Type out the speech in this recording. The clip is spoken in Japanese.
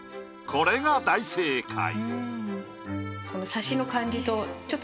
これが大正解。